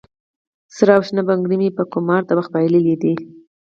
سره او شنه بنګړي مې په قمار د وخت بایللې دي